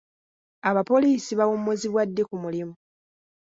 Abapoliisi bawummuzibwa ddi ku mulimu?